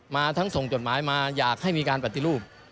มาทั้งส่งจดหมายมาอยากให้มีการปฏิรูป